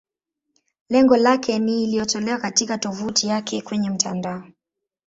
Lengo lake ni iliyotolewa katika tovuti yake kwenye mtandao.